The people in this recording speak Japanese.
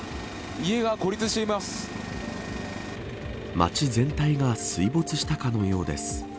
町全体が水没したかのようです。